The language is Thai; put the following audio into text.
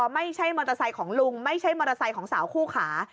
ไม่ใช่มอเตอร์ไซค์ของลุงไม่ใช่มอเตอร์ไซค์ของสาวคู่ขา